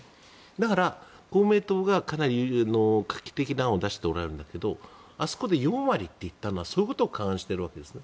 だから、公明党がかなり画期的な案を出しているんだけどあそこで４割って言ったのはそういうことを勘案しているわけです。